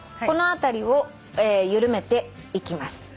この辺りを緩めていきます。